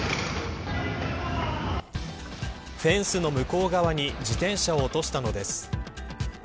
フェンスの向こう側に自転車を落としたのです。